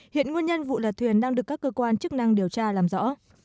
hiện nguyên nhân vụ lật thuyền đang được các cơ quan chức năng điều tra làm rõ